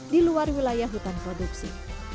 di luar wilayah hutan produksi